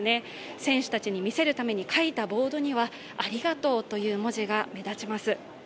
選手たちに見せるボードに書いた文字はありがとうという文字が目立ちます。